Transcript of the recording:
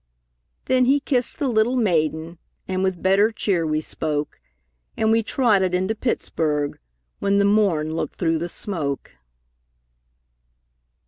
Then he kissed the little maiden, And with better cheer we spoke, And we trotted into Pittsburg, When the morn looked through the smoke.